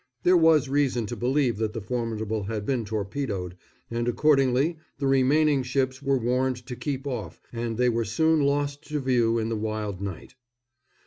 There was reason to believe that the Formidable had been torpedoed, and accordingly the remaining ships were warned to keep off, and they were soon lost to view in the wild night.